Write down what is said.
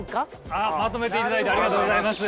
あっまとめていただいてありがとうございます！